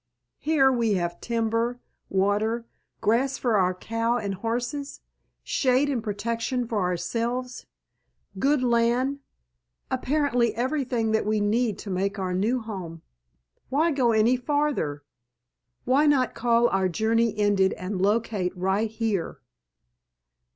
Here we have timber, water, grass for our cow and horses, shade and protection for ourselves, good land, apparently everything that we need to make our new home. Why go any farther? Why not call our journey ended and locate right here?"